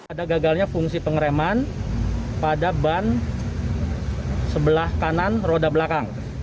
ada gagalnya fungsi pengereman pada ban sebelah kanan roda belakang